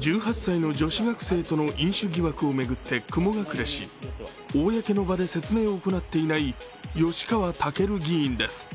１８歳の女子学生との飲酒疑惑を巡って雲隠れし公の場で説明を行っていない吉川赳議員です。